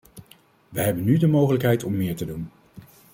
Wij hebben nu de mogelijkheid om meer te doen.